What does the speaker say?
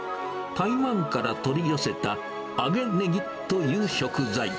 台湾から取り寄せた揚げネギという食材。